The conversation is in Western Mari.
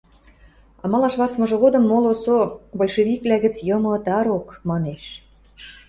Амалаш вацмыжы годым моло со: «Большевиквлӓ гӹц йымы ытарок», – манеш...